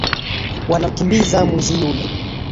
Wanamkimbiza mwizi yule